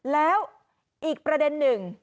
แล้วอีกประเด็นหนึ่ง